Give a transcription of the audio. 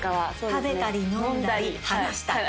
食べたり飲んだり話したり。